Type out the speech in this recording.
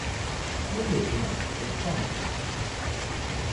What is an Oxford comma?